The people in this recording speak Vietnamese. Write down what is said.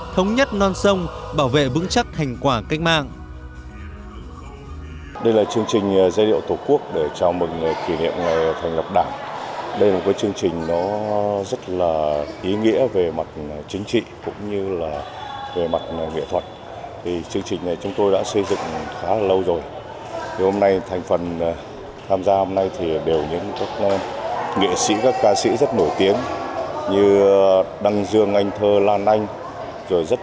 thống nhất non sông bảo vệ vững chắc hành quả cách mạng